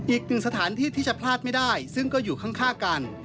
อีกหนึ่งสถานที่ที่จะพลาดไม่ได้ซึ่งก็อยู่ข้างกัน